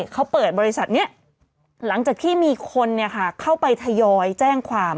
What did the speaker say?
เขาเปิดบริษัทนี้หลังจากที่มีคนเข้าไปทยอยแจ้งความ